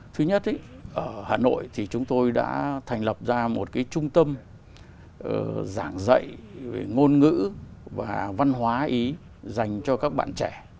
thứ nhất ở hà nội thì chúng tôi đã thành lập ra một cái trung tâm giảng dạy về ngôn ngữ và văn hóa ý dành cho các bạn trẻ